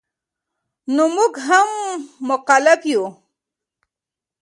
نو مونږ هم مکلف یو